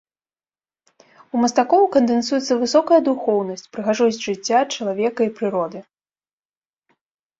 У мастакоў кандэнсуецца высокая духоўнасць, прыгажосць жыцця чалавека і прыроды.